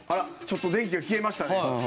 ちょっと電気が消えましたね。